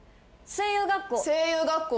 声優学校。